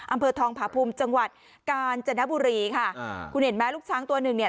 อำเภอทองผาภูมิจังหวัดกาญจนบุรีค่ะอ่าคุณเห็นไหมลูกช้างตัวหนึ่งเนี่ย